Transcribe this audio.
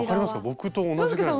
僕と同じぐらいの。